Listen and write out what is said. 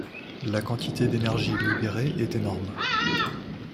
La quantité d'énergie libérée est énorme.